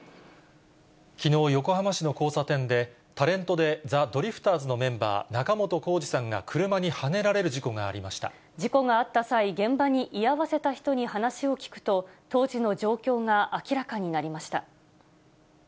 きのう、横浜市の交差点で、タレントでザ・ドリフターズのメンバー、仲本工事さんが車にはね事故があった際、現場に居合わせた人に話を聞くと、当時の状況が明らかになりました。